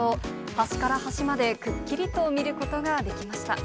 端から端までくっきりと見ることができました。